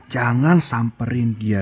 jangan samperin dia